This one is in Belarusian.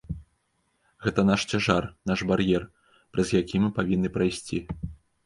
Гэта наш цяжар, наш бар'ер, праз які мы павінны прайсці.